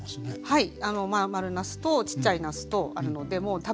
はい。